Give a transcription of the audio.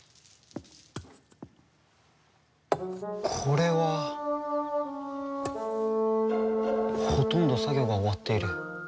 これは。ほとんど作業が終わっている。